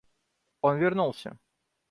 Он вернулся.